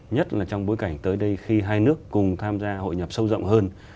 nhất là trong bối cảnh tới đây khi hai nước cùng tham gia hội nhập sâu rộng hơn